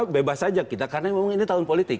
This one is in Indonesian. bebas saja kita karena memang ini tahun politik